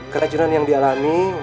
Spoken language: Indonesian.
kerajunan yang dialami